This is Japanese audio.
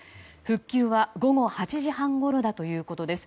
復旧は午後８時半ごろだということです。